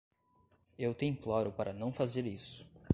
Eu te imploro para não fazer isso.